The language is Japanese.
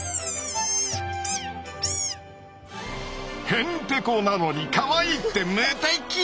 へんてこなのにカワイイって無敵！